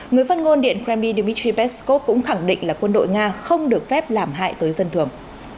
người phát ngôn điện kremlin dmitry peskov cũng khẳng định là quân đội nga không được phép làm hại tới dân thường